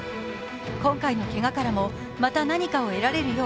今回のけがからもまた何かを得られるよう